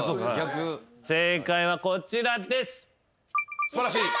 正解はこちらです。